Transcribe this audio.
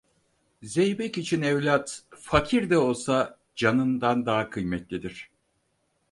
Zeybek için evlat, fakir de olsa canından daha kıymetlidir.